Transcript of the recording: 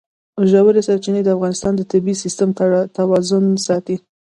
ژورې سرچینې د افغانستان د طبعي سیسټم توازن ساتي.